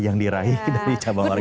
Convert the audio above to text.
yang diraih dari cabang olahraga